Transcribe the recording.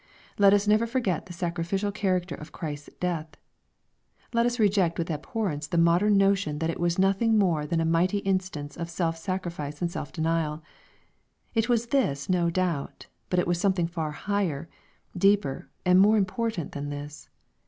Let us never forget the sacrificial character of Christ's death. Let us reject with abhorrence the modern notion that it was nothing more than a mighty instance of self sacrifice and self denial. It was this no doubt ;— ^but it was something far higher, deeper, and more important than this.